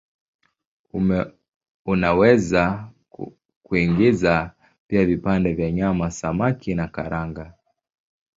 Unaweza kuingiza pia vipande vya nyama, samaki na karanga.